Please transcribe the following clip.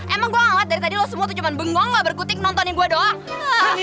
emang gue banget dari tadi lo semua tuh cuma bengong gak berkutik nontonin gue doang